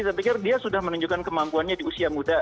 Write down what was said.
saya pikir dia sudah menunjukkan kemampuannya di usia muda